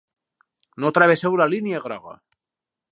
No travesseu la línia groga.